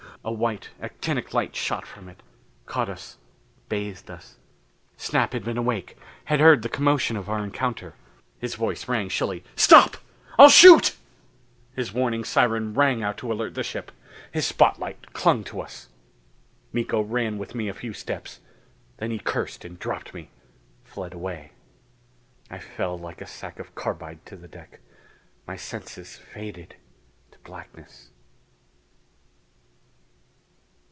A white actinic light shot from it caught us, bathed us. Snap had been awake; had heard the commotion of our encounter. His voice rang shrilly: "Stop! I'll shoot!" His warning siren rang out to alert the ship. His spotlight clung to us. Miko ran with me a few steps. Then he cursed and dropped me; fled away. I fell like a sack of carbide to the deck. My senses faded into blackness....